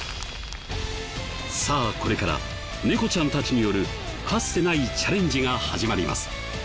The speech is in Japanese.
さあこれから猫ちゃんたちによるかつてないチャレンジが始まります。